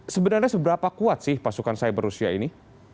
sebenarnya seberapa kuat sih pasukan cyber rusia ini